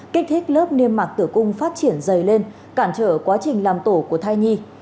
kích thích lớp niêm mạc tử cung phát triển dày lên cản trở quá trình làm tổ của thai nhi